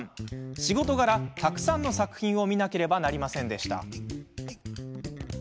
仕事柄、たくさんの作品を見なければなりませんでした。